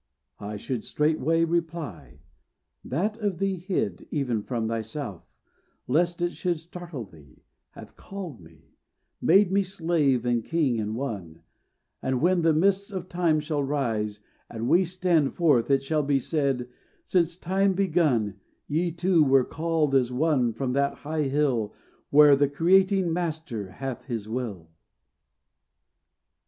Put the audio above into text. I should straightway reply, "That of thee hid, Even from thyself, lest it should startle thee, Hath called me, made me slave and king in one; And when the mists of Time shall rise, and we Stand forth, it shall be said, Since Time begun Ye two were called as one from that high hill, Where the creating Master hath His will."